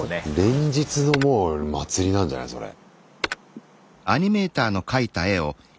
連日のもう祭りなんじゃないそれ。